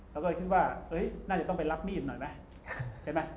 เขาก็คิดว่าน่าจะต้องไปรับมีดหน่อยไหมใช่ไหม